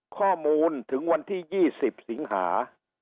ข้อมูลถึงวันที่๒๐สิงหา